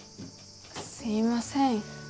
すいません。